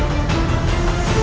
tidak ada yang bisa diberi